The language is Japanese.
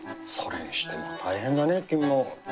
それにしても大変だね君も。